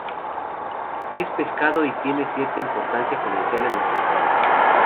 Es pescado y tiene cierta importancia comercial en los mercados.